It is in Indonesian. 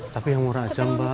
tapi yang murah aja mbak